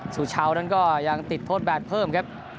สุชาวนั้นก็ยังติดโทษแบนเพิ่มครับ